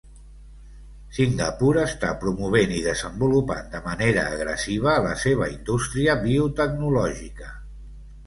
Singapur està promovent i desenvolupant de manera agressiva la seva indústria biotecnològica.